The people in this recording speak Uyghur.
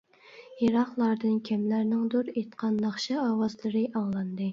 يىراقلاردىن كىملەرنىڭدۇر ئېيتقان ناخشا ئاۋازلىرى ئاڭلاندى.